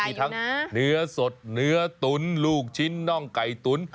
มีทั้งเนื้อสดเนื้อตุ๋นลูกชิ้นน่องไก่ตุ๋น